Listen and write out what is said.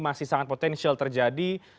masih sangat potensial terjadi